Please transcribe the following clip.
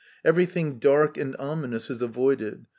< "Every thing dark and ominous is avoided.